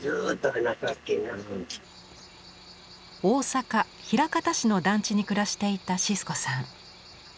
大阪枚方市の団地に暮らしていたシスコさん。